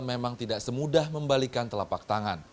memang tidak semudah membalikan telapak tangan